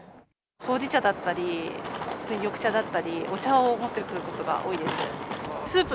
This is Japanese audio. ほうじ茶だったり、普通に緑茶だったり、お茶を持っていくことが多いです。